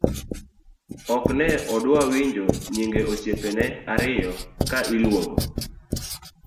ok ne odwa winjo nyinge osiepene ariyo ka iluongo